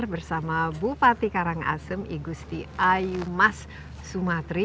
bersama bupati karangasem igusti ayu mas sumatri